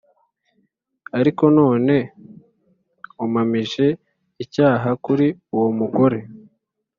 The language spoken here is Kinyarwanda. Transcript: ariko none umpamije icyaha kuri uwo mugore?